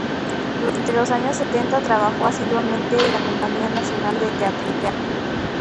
Durante los años setenta trabajó asiduamente en la compañía nacional del teatro.